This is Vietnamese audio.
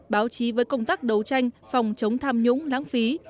báo chí với công tác đấu tranh phòng chống tham nhũng lãng phí